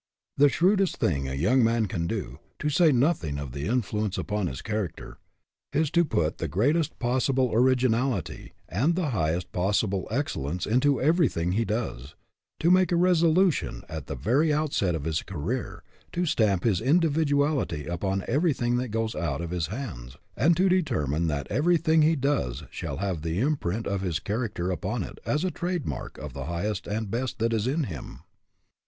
The shrewdest thing a young man can do to say nothing of the influence upon his char acter is to put the greatest possible orig inality and the highest possible excellence into everything he does; to make a resolution, at the very outset of his career, to stamp his in dividuality upon everything that goes out of his hands, and to determine that everything he does shall have the imprint of his character upon it as a trade mark of the highest and best that is in him.